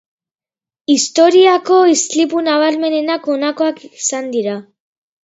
Historiako istripu nabarmenenak honakoak izan dira.